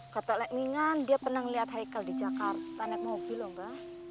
kata lek mingan dia pernah ngeliat haikal di jakarta naik mobil lomba